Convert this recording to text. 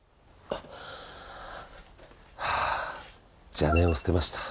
邪念を捨てました。